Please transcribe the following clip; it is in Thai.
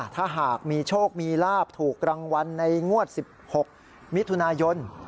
ถ้าหากมีโชคมีลาบถูกรางวัลในงวด๑๖มิถุนายน